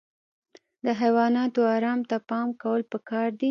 د حیواناتو ارام ته پام کول پکار دي.